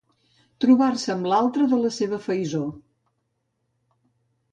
Trobar-se amb altre de la seva faisó.